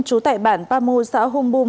trú tại bản ba mô xã hôn bùm